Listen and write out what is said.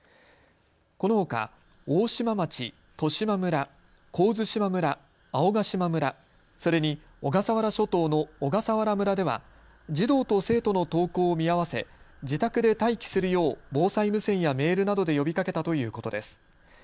このほか大島町、利島村、神津島村、青ヶ島村、それに小笠原諸島の小笠原村では児童と生徒の登校を見合わせ自宅で待機するよう防災無線やメールなどで呼びかけたということです。